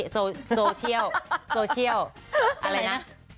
โซเชี่ยลอะไรนะ